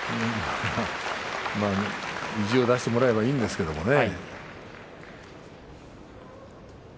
抜け出してもらえばいいんですけどね。